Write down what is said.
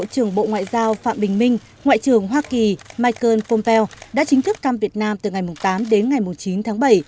bộ trưởng bộ ngoại giao phạm bình minh ngoại trưởng hoa kỳ michael pompeo đã chính thức thăm việt nam từ ngày tám đến ngày chín tháng bảy